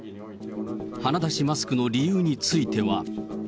鼻だしマスクの理由については。